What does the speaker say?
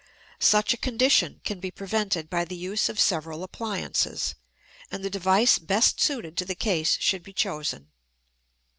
Such a condition can be prevented by the use of several appliances, and the device best suited to the case should be chosen.